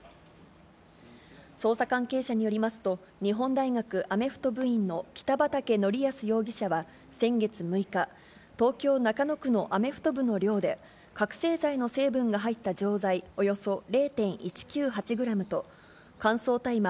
捜査関係者によりますと、日本大学アメフト部員の北畠成文容疑者は、先月６日、東京・中野区のアメフト部の寮で、覚醒剤の成分が入った錠剤およそ０．１９８グラムと、乾燥大麻